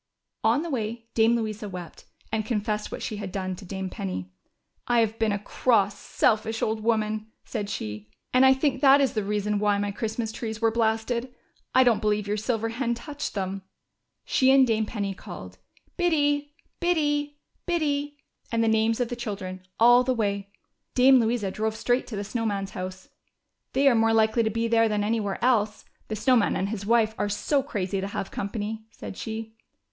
On the way Dame Louisa wept, and confessed what she had done to Dame Penny. " I have been a cross, selfish old woman," said she, "and I think that is the 274 THE CHILDREN'S WONDER BOOK. reason why my Christmas trees were blasted. I don't believe your silver hen touched them." She and Dame Penny called "Biddy, Biddy, Biddy," and the names of the children, all the way. Dame Louisa drove straight to the Snow Man's house. " They are more likely to be there than anywhere else, the Snow Man and his wife are so crazy to have company," said she.